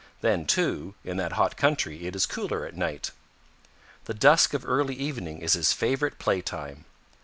Then, too, in that hot country it is cooler at night. The dusk of early evening is his favorite playtime.